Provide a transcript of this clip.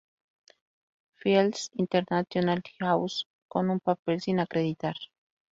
Fields "International House", con un papel sin acreditar.